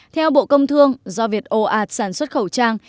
theo bộ công thương do việc ồ ạt sản xuất khẩu trang